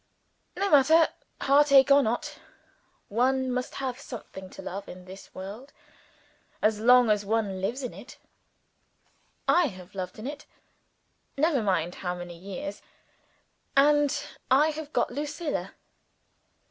No matter: heartache or not, one must have something to love in this world as long as one lives in it. I have lived in it never mind how many years and I have got Lucilla.